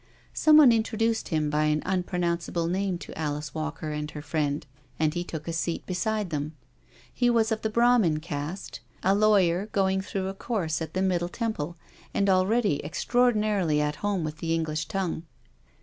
Someone introduced him by an unpronounce able name to Alice Walker and her friend, and he took a seat beside them. He was of the Brahmin caste, a lawyer going through a course at the Middle Temple, and already extraordinarily at home with the English tongue.